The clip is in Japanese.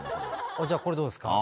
じゃあ、これどうですか？